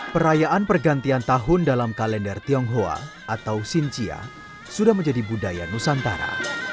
perayaan pergantian tahun dalam kalender tionghoa atau xinjia sudah menjadi budaya nusantara